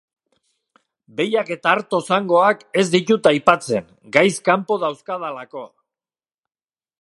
Behiak eta arto zangoak ez ditut aipatzen, gaiz kanpo dauzkadalako.